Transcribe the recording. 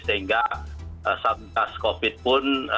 sehingga saat kasus covid pun